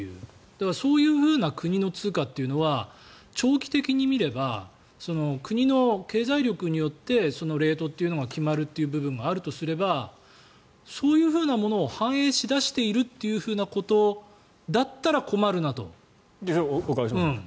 だからそういうふうな国の通貨というのは長期的に見れば国の経済力によってそのレートというのが決まるという部分があるとすれば、そういうものを反映し出しているということだったらお伺いしましょう。